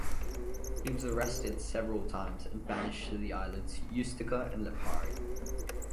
He was arrested several times and banished to the islands Ustica and Lipari.